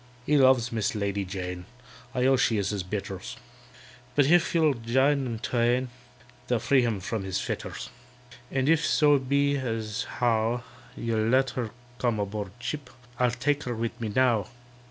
"He loves MISS LADY JANE (I own she is his betters), But if you'll jine them twain, They'll free him from his fetters. "And if so be as how You'll let her come aboard ship, I'll take her with me now."